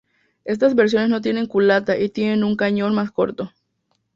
Estas versiones no tienen culata y tienen un cañón más corto.